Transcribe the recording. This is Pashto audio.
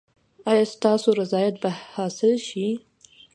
ایا ستاسو رضایت به حاصل شي؟